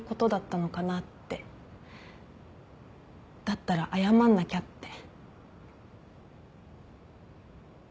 だったら謝んなきゃって。